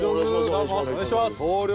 どうもお願いします。